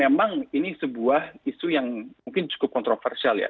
memang ini sebuah isu yang mungkin cukup kontroversial ya